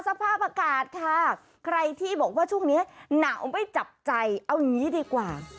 สภาพอากาศค่ะใครที่บอกว่าช่วงนี้หนาวไม่จับใจเอาอย่างนี้ดีกว่า